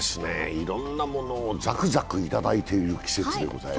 いろんなものをざくざくいただいている季節でございます。